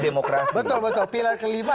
demokrasi betul betul pilar kelima